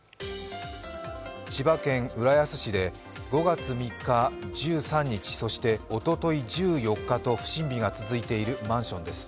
千葉県浦安市で５月３日、１３日、そして、おととい１４日と不審火が続いているマンションです。